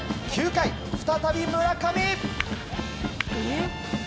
９回、再び村上！